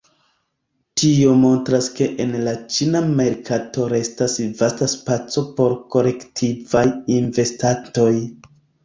Tio montras ke en la ĉina merkato restas vasta spaco por kolektivaj investantoj.